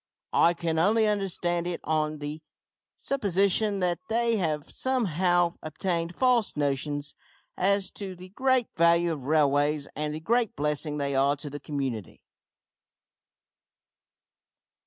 I can only understand it on the supposition that they have somehow obtained false notions as to the great value of railways and the great blessing they are to the community.